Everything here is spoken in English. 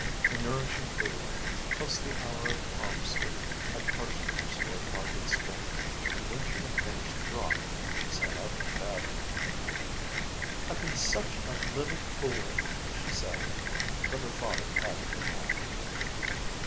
The nourishing food plus the hour of calm sleep had partially restored Margaret's strength and when she had finished the broth she sat up in bed. "I've been such a little fool," she said, but her father patted her hand.